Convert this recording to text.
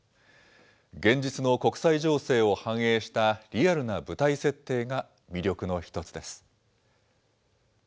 現実の国際情勢を反映したリアルな舞台設定が魅力の一つです。